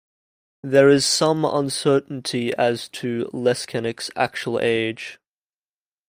There is some uncertainty as to Leskanic's actual age.